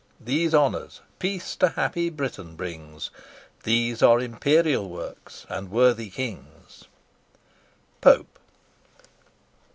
These honours, Peace to happy Britain brings; These are imperial works, and worthy kings." POPE.